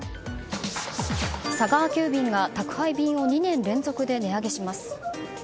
佐川急便が宅配便を２年連続で値上げします。